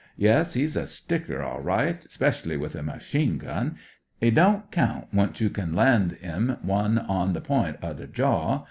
Yuss, *e*s a sticker, orlright, 'specially with a machine gun. *E don't count once you can land *im one on the point er the jaw.